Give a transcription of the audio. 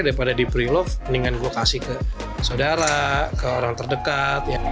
daripada di pre love mendingan gue kasih ke saudara ke orang terdekat